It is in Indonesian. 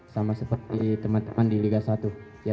sama seperti teman teman di liga satu